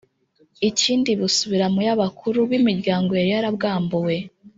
ikindi busubira mu y'abakuru b' imiryango yari yarabwambuwe